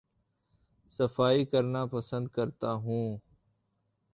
صفائی کرنا پسند کرتا ہوں